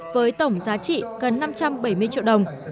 với tổng giá trị gần năm trăm bảy mươi triệu đồng